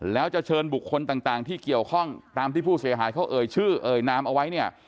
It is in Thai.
แล้วจะเชิญบุคคลต่างที่เกี่ยวข้องตามที่ผู้เสียหายเขาเอ่ยชื่อเอ่ยนามเอาไว้เนี่ย